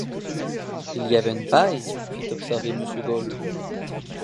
Il y avait une paille ! fit observer monsieur Gault.